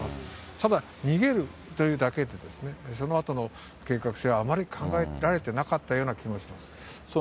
ただ、逃げるというだけで、そのあとの計画性はあまり考えられてなかったような気もします。